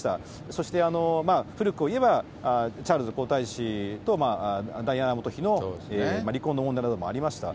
そして古くを言えば、チャールズ皇太子とダイアナ元妃の離婚の問題などもありました。